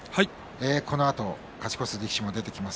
このあと勝ち越す力士も出てきます。